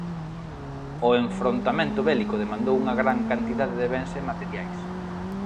O enfrontamento bélico demandou unha gran cantidade de bens e materiais.